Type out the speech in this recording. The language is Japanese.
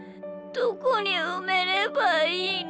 どこにうめればいいの？